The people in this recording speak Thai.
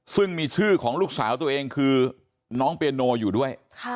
ซึ่งมีชื่อของลูกสาวตัวเองคือน้องเปียโนอยู่ด้วย